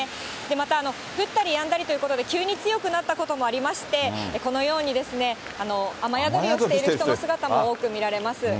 また、降ったりやんだりということで、急に強くなったこともありまして、このようにですね、雨宿りをしている人の姿も多く見られます。